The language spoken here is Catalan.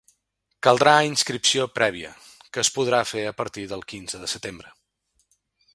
Caldrà inscripció prèvia, que es podrà fer a partir del quinze de desembre.